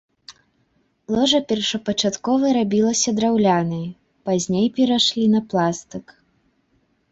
Ложа першапачаткова рабілася драўлянай, пазней перайшлі на пластык.